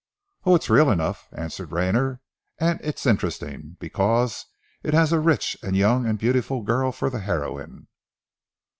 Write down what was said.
"Oh, it's real enough," answered Rayner, "and it's interesting, because it has a rich and young and beautiful girl for the heroine."